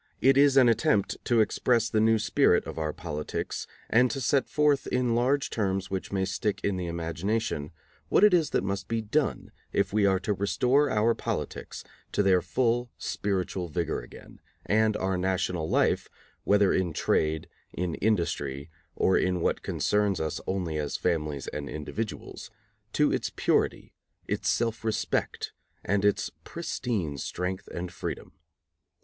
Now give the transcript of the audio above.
It is an attempt to express the new spirit of our politics and to set forth, in large terms which may stick in the imagination, what it is that must be done if we are to restore our politics to their full spiritual vigor again, and our national life, whether in trade, in industry, or in what concerns us only as families and individuals, to its purity, its self respect, and its pristine strength and freedom.